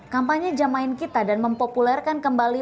kampanye jemain kita dan mempopulerkan kembali